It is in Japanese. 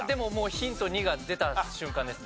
ヒント２が出た瞬間ですね。